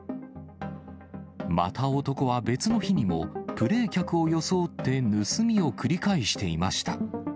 また、男は別の日にもプレー客を装って盗みを繰り返していました。